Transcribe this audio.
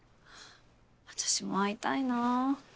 私も会いたいなぁ。